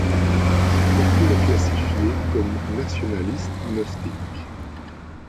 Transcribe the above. On peut le classifier comme nationaliste gnostique.